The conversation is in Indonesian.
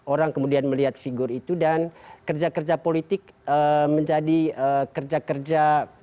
orang kemudian melihat figur itu dan kerja kerja politik menjadi kerja kerja